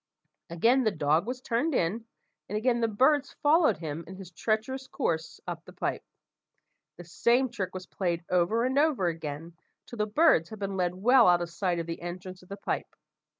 Again the dog was turned in, and again the birds followed him in his treacherous course up the pipe. The same trick was played over and over again, till the birds had been led well out of sight of the entrance of the pipe.